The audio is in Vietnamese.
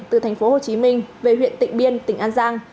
từ thành phố hồ chí minh về huyện tỉnh biên tỉnh an giang